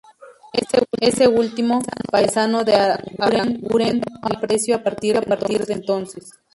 Este último, paisano de Aranguren, le tomó aprecio a partir de entonces.